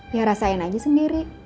ya rasain aja sendiri